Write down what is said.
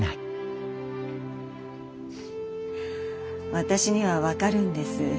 私には分かるんです。